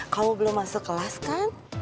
kamu belum masuk kelas kan